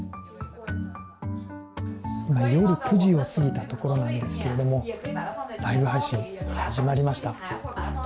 今、夜９時を過ぎたところなんですけれどもライブ配信、始まりました。